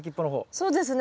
そうですね。